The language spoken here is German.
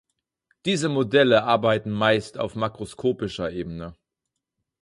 Diese Modelle arbeiten meist auf makroskopischer Ebene.